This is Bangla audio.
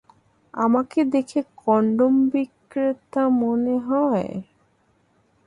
আমাকে দেখে কনডম-বিক্রেতা মনে হয়?